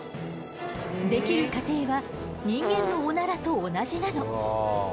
出来る過程は人間のオナラと同じなの。